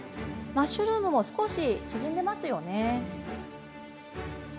マッシュルームも少し縮んでますよね。